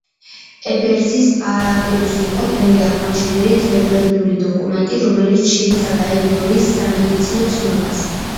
ებერსის პაპირუსი იყო პირველი აღმოჩენილი ძველბერძნული დოკუმენტი, რომელიც შეიცავდა იმ დროის სამედიცინო ცნობას.